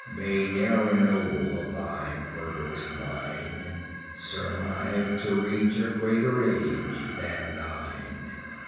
"May ne'er a noble of thy murd'rous line Survive to reach a greater age than thine!"